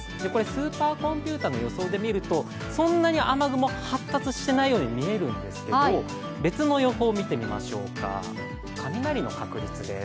スーパーコンピューターの予想で見ると、そんなに雨雲、発達してないように見えるんですけど別の予報を見てみましょうか雷の確率です。